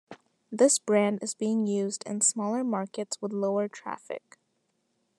This brand is being used in smaller markets with lower traffic.